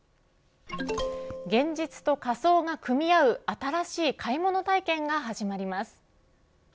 現実と仮想が組み合う新しい買い物体験が始まります。